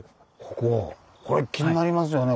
これ気になりますよね